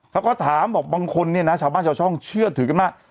เขาก็ถามบอกบางคนเนี่ยนะชาวบ้านชาวช่องเชื่อถือกันมาก